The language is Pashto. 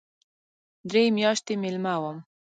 درې میاشتې مېلمه وم.